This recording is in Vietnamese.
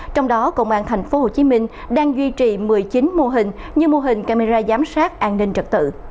trong đó công an thành phố hồ chí minh đang duy trì một mươi chín mô hình như mô hình camera giám sát an ninh trật tự